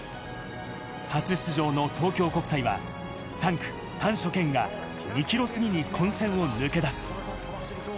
初出場の東京国際は３区、丹所健が２ｋｍ過ぎに混戦を抜け出す。